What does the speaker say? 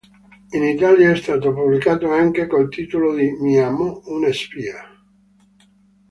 In Italia è stato pubblicato anche col titolo di "Mi amò una spia".